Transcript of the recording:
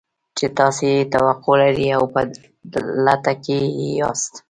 چې تاسې يې توقع لرئ او په لټه کې يې ياست.